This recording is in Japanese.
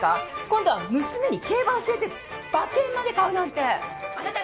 今度は娘に競馬教えて馬券まで買うなんて。